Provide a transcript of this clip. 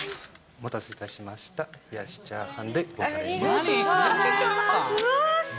お待たせいたしました、冷しチャありがとうございます。